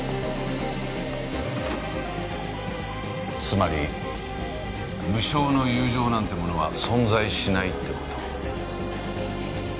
つまり無償の友情なんてものは存在しないって事。